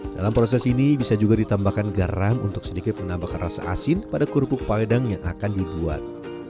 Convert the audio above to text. dalam proses ini bisa juga ditambahkan garam untuk sedikit menambahkan rasa asin pada kerupuk padang yang akan dibuat